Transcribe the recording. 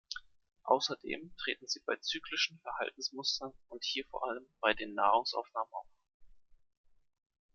Außerdem treten sie bei zyklischen Verhaltensmustern und hier vor allem bei der Nahrungsaufnahme auf.